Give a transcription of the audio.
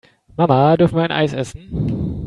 Mama, dürfen wir ein Eis essen?